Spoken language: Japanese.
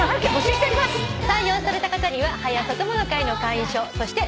採用された方には「はや朝友の会」の会員証そして。